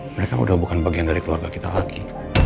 mereka udah bukan bagian dari keluarga kita lagi